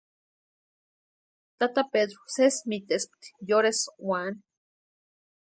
Tata Pedru sési mitespti yorhesï úani.